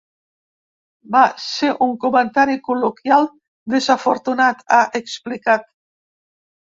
Va ser un comentari col·loquial desafortunat, ha explicat.